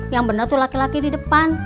yang benar tuh laki laki di depan